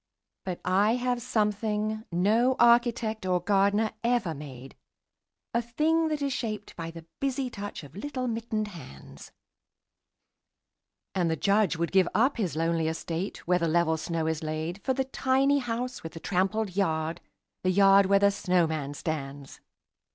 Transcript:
But I have something no architect or gardener ever made, A thing that is shaped by the busy touch of little mittened hands: And the Judge would give up his lonely estate, where the level snow is laid For the tiny house with the trampled yard, the yard where the snowman stands.